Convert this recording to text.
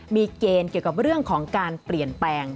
มีเกณฑ์เกี่ยวกับเรื่องของการเปลี่ยนแปลง